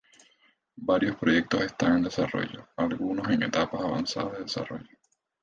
Varios proyectos están en desarrollo, algunos en etapas avanzadas de desarrollo.